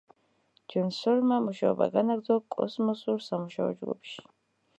ჯონსონმა მუშაობა განაგრძო კოსმოსურ სამუშაო ჯგუფში.